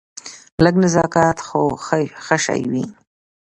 لږ نزاکت خو ښه شی وي.